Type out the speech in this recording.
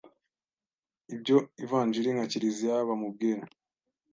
ibyo ivanjili na Kiliziya bamubwira.